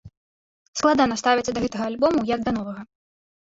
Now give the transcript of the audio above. Складана ставіцца да гэтага альбому як да новага.